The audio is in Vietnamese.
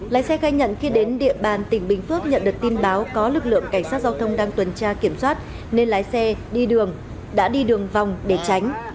lái xe khai nhận khi đến địa bàn tỉnh bình phước nhận được tin báo có lực lượng cảnh sát giao thông đang tuần tra kiểm soát nên lái xe đi đường đã đi đường vòng để tránh